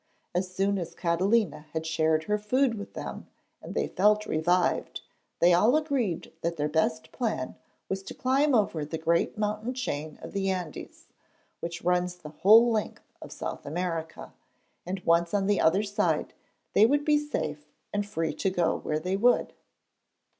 As soon as Catalina had shared her food with them and they felt revived, they all agreed that their best plan was to climb over the great mountain chain of the Andes, which runs the whole length of South America, and once on the other side they would be safe and free to go where they would.